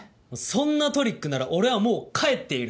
そんなトリックなら俺はもう帰っている！